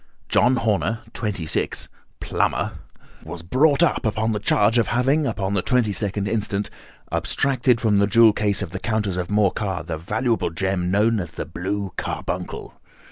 John Horner, 26, plumber, was brought up upon the charge of having upon the 22nd inst., abstracted from the jewel case of the Countess of Morcar the valuable gem known as the blue carbuncle.